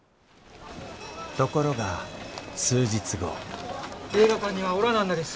ところが数日後映画館にはおらなんだです。